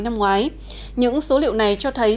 năm ngoái những số liệu này cho thấy